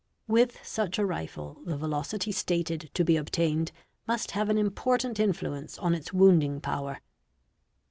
"With such a rifle the velocity stated to be obtained must have an important influence on its wounding power.